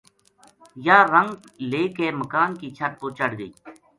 یاہ رنگ لے کے مکان کی چھت پو چڑھ گئی